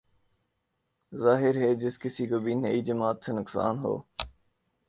ظاہر ہے جس کس کو بھی نئی جماعت سے نقصان ہو